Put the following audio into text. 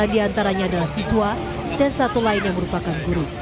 tiga diantaranya adalah siswa dan satu lain yang merupakan guru